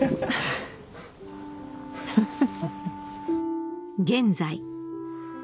フッフフ